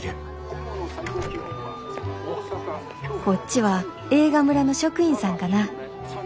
こっちは映画村の職員さんかな。